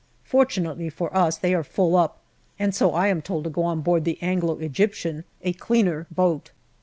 Fortunately for us, they are full up, and so I am told to go on board the Anglo Egyptian, a cleaner boat.